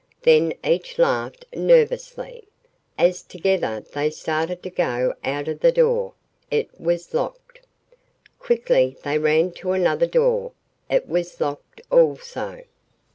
Then each laughed nervously, as together they started to go out of the door. It was locked! Quickly they ran to another door. It was locked, also.